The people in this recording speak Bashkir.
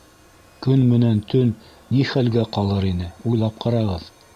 —Көн менән төн ни хәлгә ҡалыр ине, уйлап ҡарағыҙ.